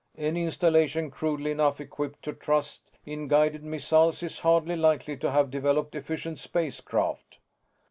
Any installation crudely enough equipped to trust in guided missiles is hardly likely to have developed efficient space craft."